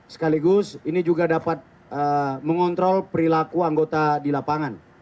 sekaligus ini juga dapat mengontrol perilaku anggota di lapangan